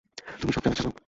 তুমি শবযানের চালক?